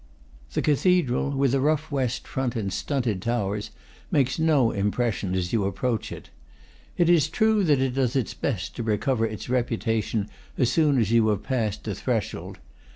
The cathedral, with a rough west front and stunted towers, makes no im pression as you approach it. It is true that it does its best to recover its reputation as soon as you have passed the threshold.